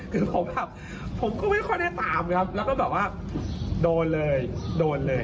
คือผมแบบผมก็ไม่ค่อยได้ตามครับแล้วก็แบบว่าโดนเลยโดนเลย